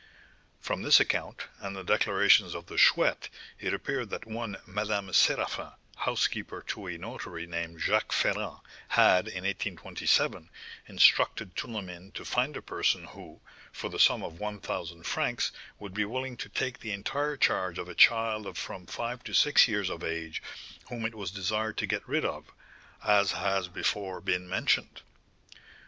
"From this account, and the declarations of the Chouette, it appeared that one Madame Séraphin, housekeeper to a notary named Jacques Ferrand, had in 1827 instructed Tournemine to find a person who, for the sum of one thousand francs, would be willing to take the entire charge of a child of from five to six years of age whom it was desired to get rid of, as has before been mentioned.